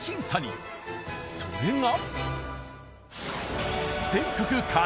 それが。